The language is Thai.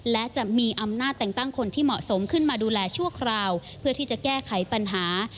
และจะมีอำนาจแต่งตั้งคนที่เหมาะสมขึ้นมาดูแลชั่วคราวเพื่อที่จะแก้ไขปัญหา